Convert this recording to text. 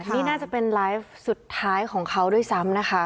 นี่น่าจะเป็นไลฟ์สุดท้ายของเขาด้วยซ้ำนะคะ